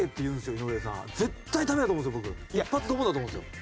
一発ドボンだと思うんですよ。